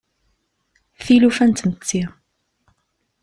Tilufa n tmetti.